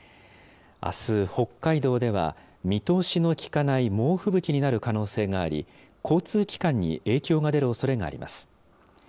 あす、北海道では、見通しのきかない猛吹雪になる可能性があり、交通機関に影響が出るおそれがあります。